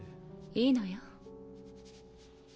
いいのよ。